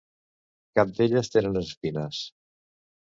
Cap d'elles tenen espines.